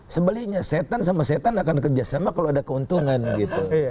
sebaliknya setan sama setan akan kerjasama kalau ada keuntungan gitu